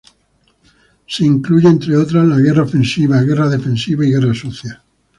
Se incluye entre otros la guerra ofensiva, guerra defensiva y guerra sucia.